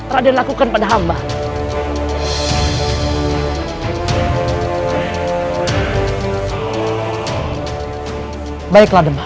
raden jangan panggil hamba paman